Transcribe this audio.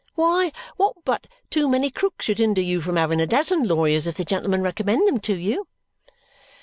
Why, what but too many cooks should hinder you from having a dozen lawyers if the gentleman recommended them to you."